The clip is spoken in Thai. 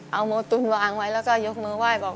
เอาโมตุลวางไว้แล้วก็ยกมือไหว้บอก